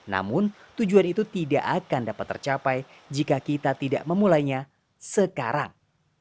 namun tujuan itu tidak akan dapat tercapai jika kita tidak memulainya sekarang